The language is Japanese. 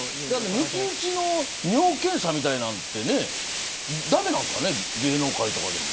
抜き打ちの尿検査みたいなの駄目なんですかね、芸能界で。